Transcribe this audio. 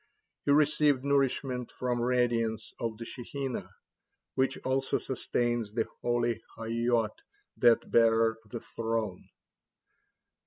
He received nourishment from radiance of the Shekinah, which also sustains the holy Hayyot that bear the Throne.